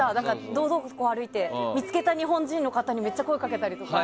堂々と歩いて見つけた日本人の方にめっちゃ声かけたりとか。